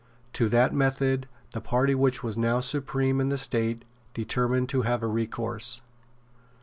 To that method the party which was now supreme in the State determined to have recourse.